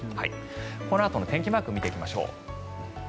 このあとの天気マークを見ていきましょう。